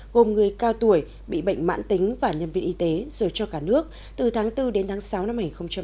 gồm người cao tuổi bị bệnh mãn tính và nhân viên y tế rồi cho cả nước từ tháng bốn đến tháng sáu năm hai nghìn hai mươi